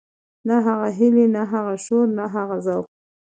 نه هغه هيلې نه هغه شور نه هغه ذوق.